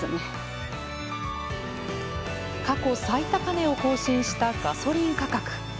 過去最高値を更新したガソリン価格。